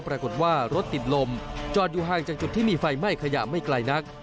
ปรากฏว่ารถติดลมจอดอยู่ห่างจากจุดที่มีไฟไหม้ขยะไม่ไกลนัก